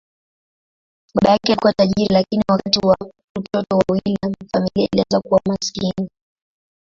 Baba yake alikuwa tajiri, lakini wakati wa utoto wa William, familia ilianza kuwa maskini.